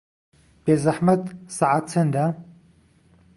بێزەحمەت سەعات چەندە؟